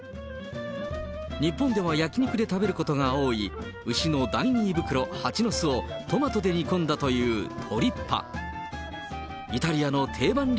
日本では焼き肉で食べることが多い、牛の第２胃袋、ハチノスをトマトで煮込んだというトリッパ。